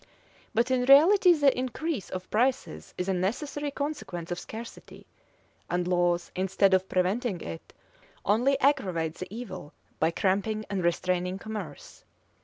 But in reality the increase of prices is a necessary consequence of scarcity; and laws, instead of preventing it, only aggravate the evil, by cramping and restraining commerce.